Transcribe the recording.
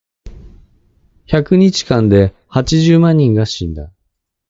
百日間で八十万人が死んだ。